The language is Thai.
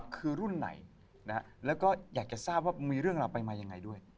คือรุ่นไหนแล้วก็อยากจะทราบว่ามีเรื่องราวไปมายังไงด้วย